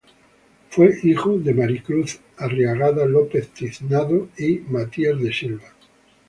Fue hijo de Matías de Silva y María Cruz Arriagada López-Tiznado.